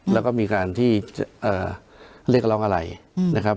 แล้วก็มีการที่เรียกร้องอะไรนะครับ